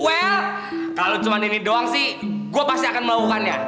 well kalau cuma ini doang sih gue pasti akan melakukannya